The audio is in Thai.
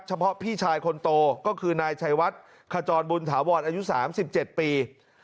เฉพาะพี่ชายคนโตก็คือนายชัยวัดขจรบุญถาวรอายุ๓๗ปี